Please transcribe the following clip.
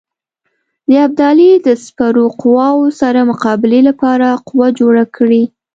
د ابدالي د سپرو قواوو سره مقابلې لپاره قوه جوړه کړي.